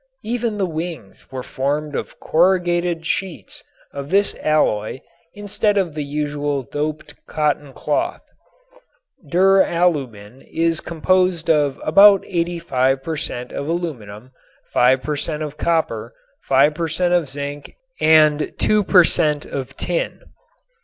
Even the wings were formed of corrugated sheets of this alloy instead of the usual doped cotton cloth. Duralumin is composed of about 85 per cent. of aluminum, 5 per cent. of copper, 5 per cent. of zinc and 2 per cent. of tin.